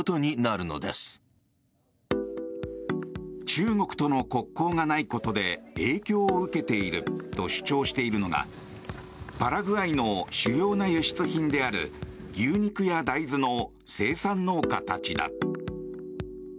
中国との国交がないことで影響を受けていると主張しているのがパラグアイの主要な輸出品である牛肉や大豆の生産農家たちだ。